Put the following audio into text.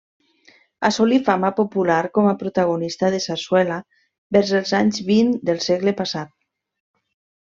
Assolí fama popular com a protagonista de sarsuela, vers els anys vint del segle passat.